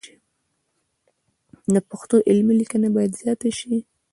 د پښتو علمي لیکنې باید زیاتې سي.